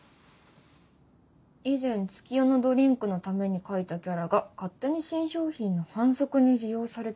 「以前月夜野ドリンクのために描いたキャラが勝手に新商品の販促に利用されてる。